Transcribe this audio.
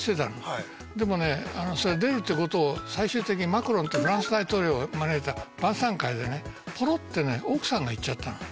でもね出るってことを最終的にマクロンフランス大統領を招いた晩さん会でねポロってね奥さんが言っちゃったの。